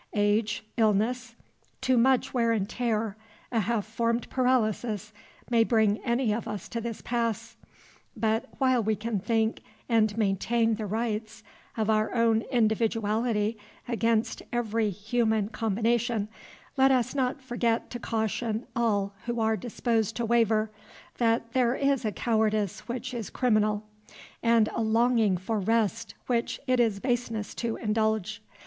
Age, illness, too much wear and tear, a half formed paralysis, may bring any of us to this pass. But while we can think and maintain the rights of our own individuality against every human combination, let us not forget to caution all who are disposed to waver that there is a cowardice which is criminal, and a longing for rest which it is baseness to indulge.